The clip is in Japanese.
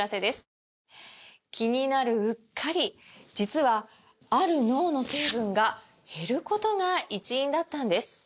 気になるうっかり実はある脳の成分が減ることが一因だったんです